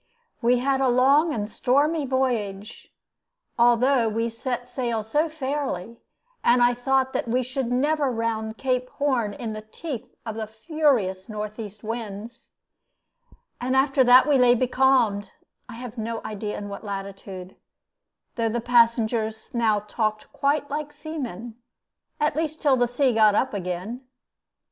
We had a long and stormy voyage, although we set sail so fairly; and I thought that we never should round Cape Horn in the teeth of the furious northeast winds; and after that we lay becalmed, I have no idea in what latitude, though the passengers now talked quite like seamen, at least till the sea got up again.